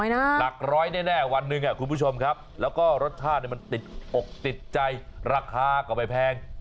หลักร้อยแน่วันหนึ่งคุณผู้ชมครับแล้วก็รสชาติมันติดอกติดใจราคาก็ไม่แพง